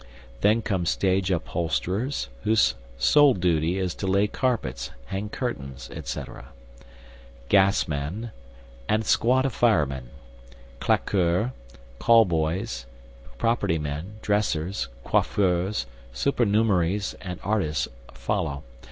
Then come stage upholsterers, whose sole duty is to lay carpets, hang curtains, etc.; gas men, and a squad of firemen. Claqueurs, call boys, property men, dressers, coiffeurs, supernumeraries, and artists, follow.